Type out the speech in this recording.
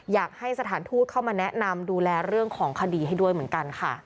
อยากให้สถานทูตเข้ามาแนะนำดูแลเรื่องของคดีให้ด้วยเหมือนกันค่ะ